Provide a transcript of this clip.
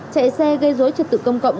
chạy xe gây rối trật tự công cộng